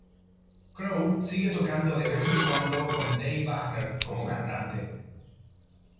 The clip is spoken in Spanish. Crow sigue tocando de vez en cuando con Dave Wagner como cantante.